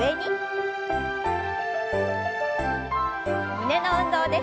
胸の運動です。